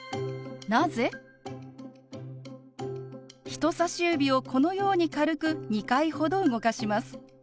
人さし指をこのように軽く２回ほど動かします。